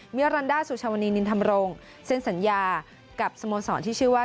รันดาสุชาวนีนินธรรมรงค์เซ็นสัญญากับสโมสรที่ชื่อว่า